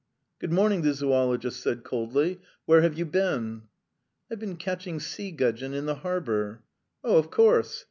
"Good morning," the zoologist said coldly. "Where have you been?" "I've been catching sea gudgeon in the harbour." "Oh, of course.